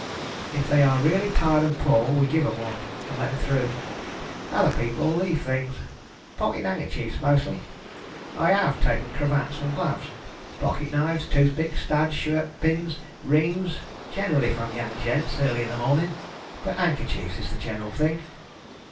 If they are really tired and poor we give 'em one and let 'em through. Other people will leave things — pocket hand kerchiefs mostly. I have taken cravats and Charles Dickeni.] DOWN WITH THE TIDE. 483 gloves, pocket knives, toothpicks, studs, shirt pins, rings (generally from young gents, early in the morning), but handkerchiefs is the general thing.